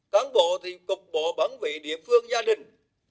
cáng bộ thì cục bộ bản vị địa phương gia đình